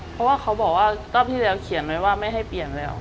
เพราะว่าเขาบอกว่ารอบที่แล้วเขียนไว้ว่าไม่ให้เปลี่ยนแล้ว